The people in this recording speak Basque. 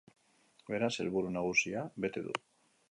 Beraz, helburu nagusia bete du.